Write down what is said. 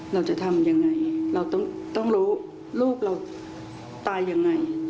เราจะทำยังไงเราต้องรู้ลูกเราตายยังไง